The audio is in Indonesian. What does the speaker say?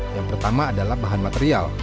yang pertama adalah bahan material